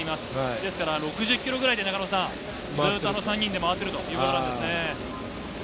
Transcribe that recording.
ですから６０キロぐらいで中野さん、ずっとあの３人で回ってるということなんですね。